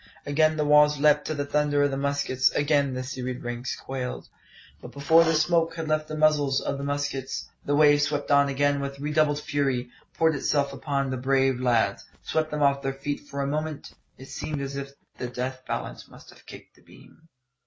Again the walls leapt to the thunder of the muskets; again the serried ranks quailed. But before the smoke had left the muzzles of the muskets, the wave swept on again with redoubled fury, poured itself upon and around the brave lads, swept them off their feet For a moment it seemed as if the death balance must kick the beam.